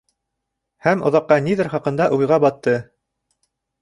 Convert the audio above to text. Һәм оҙаҡҡа ниҙер хаҡында уйға батты.